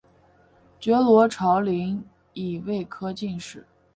觉罗长麟乙未科进士。